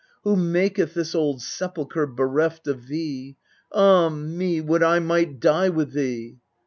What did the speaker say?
Who maketh this old sepulchre bereft Of thee ? Ah me, would I might die with thee